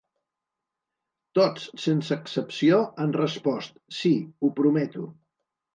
Tots sense excepció han respost: ‘Sí, ho prometo’.